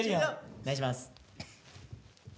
お願いします。